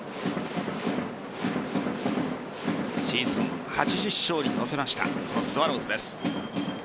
シーズン８０勝に乗せましたスワローズです。